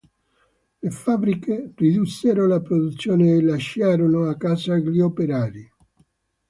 Le fabbriche ridussero la produzione e lasciarono a casa gli operai.